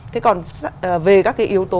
thế còn về các cái yếu tố